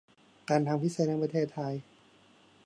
การทางพิเศษแห่งประเทศไทย